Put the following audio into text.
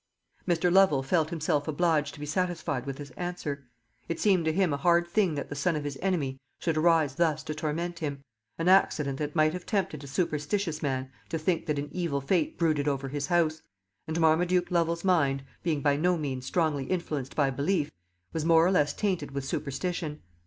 Mr. Lovel felt himself obliged to be satisfied with this answer. It seemed to him a hard thing that the son of his enemy should arise thus to torment him an accident that might have tempted a superstitious man to think that an evil fate brooded over his house; and Marmaduke Lovel's mind, being by no means strongly influenced by belief, was more or less tainted with superstition.